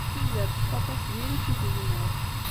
Tuzert n waṭas diri-tt i tezmert.